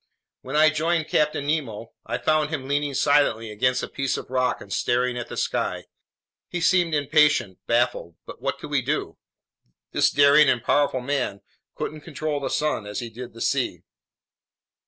When I rejoined Captain Nemo, I found him leaning silently against a piece of rock and staring at the sky. He seemed impatient, baffled. But what could we do? This daring and powerful man couldn't control the sun as he did the sea.